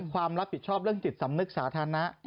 ความรับผิดชอบเรื่องจิตสำนึกสาธารณะ